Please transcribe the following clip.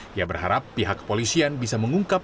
dia berharap pihak kepolisian bisa mengungkap